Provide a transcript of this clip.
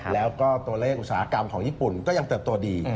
แล้วก็ตัวเลขอุตสาหกรรมของญี่ปุ่นก็ยังเติบโตดี